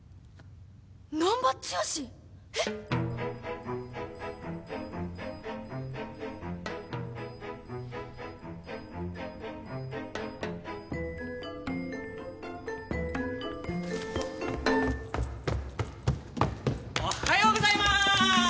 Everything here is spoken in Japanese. えっ！？おはようございます！